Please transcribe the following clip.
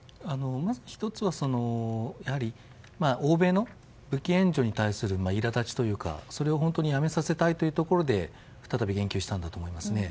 まず、１つはやはり欧米の武器援助に対するいらだちというかそれを本当にやめさせたいというところで再び言及したんだと思います。